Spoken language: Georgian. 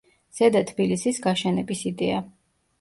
ზედა თბილისის გაშენების იდეა.